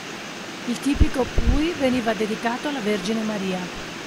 Il tipico "puy" veniva dedicato alla Vergine Maria.